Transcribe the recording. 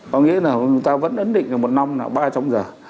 có nghĩa là người ta vẫn ấn định là một năm là ba trăm linh giờ